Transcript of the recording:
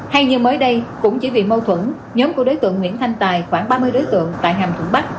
hay như mới đây cũng chỉ vì mâu thuẫn nhóm của đối tượng nguyễn thanh tài khoảng ba mươi đối tượng tại hàm thuận bắc